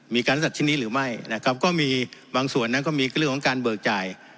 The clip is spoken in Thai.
มีการซื้อสัตว์ชิ้นนี้หรือไม่นะครับก็มีบางส่วนนั้นก็มีเรื่องของการเบิกจ่าย